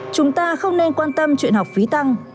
chúng ta không nên quan tâm chuyện học phí tăng